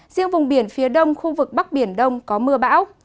riêng vùng biển phía đông khu vực bắc biển đông có mưa bão